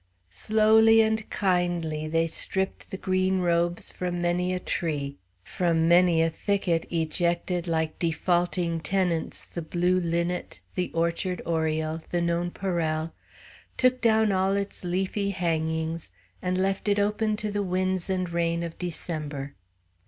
Slowly and kindly they stripped the green robes from many a tree, from many a thicket ejected like defaulting tenants the blue linnet, the orchard oriole, the nonpareil, took down all its leafy hangings and left it open to the winds and rain of December.